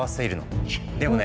でもね